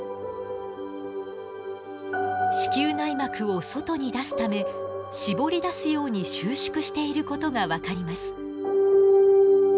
子宮内膜を外に出すためしぼり出すように収縮していることが分かります。